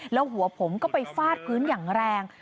แล้วหัวผมก็ไปฟาดพื้นอย่างแรง